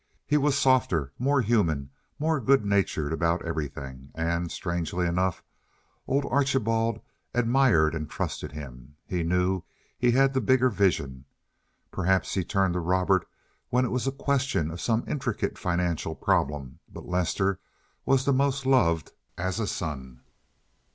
He was softer, more human, more good natured about everything. And, strangely enough, old Archibald admired and trusted him. He knew he had the bigger vision. Perhaps he turned to Robert when it was a question of some intricate financial problem, but Lester was the most loved as a son.